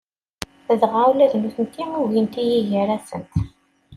Dɣa ula d nutenti ugint-iyi gar-asent.